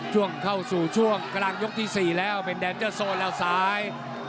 ช่วงเข้าสู่ช่วงกลางยกที่๔แล้วเป็นแดนเจอร์โซนแล้วซ้าย